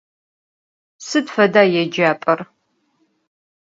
Sıd feda yêcap'er?